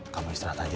kamu istirahat aja ya